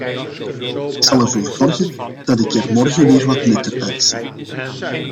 Ik zal ervoor zorgen dat ik er morgen weer wat netter uitzie.